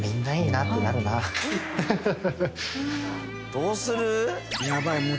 どうする？